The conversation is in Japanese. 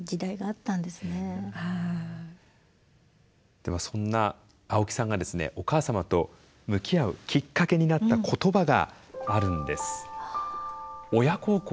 ではそんな青木さんがですねお母様と向き合うきっかけになった言葉があるんです。